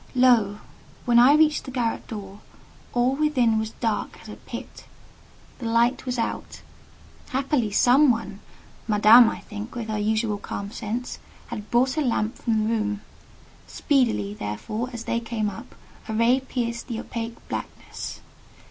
Lo! when I reached the garret door, all within was dark as a pit: the light was out. Happily some one—Madame, I think, with her usual calm sense—had brought a lamp from the room; speedily, therefore, as they came up, a ray pierced the opaque blackness.